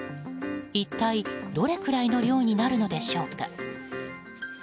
一体どれくらいの量になるのでしょうか。